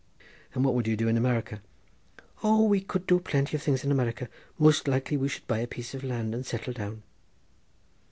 "And what would you do in America?" "O we could do plenty of things in America—most likely we should buy a piece of land and settle down."